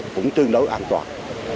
cũng tương đối an toàn